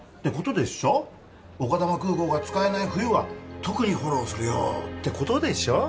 丘珠空港が使えない冬は特にフォローするよってことでしょ？